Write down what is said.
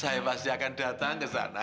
saya pasti akan datang ke sana